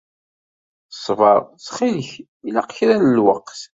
Ṣber, ttxil-k, ilaq kra n lweqt.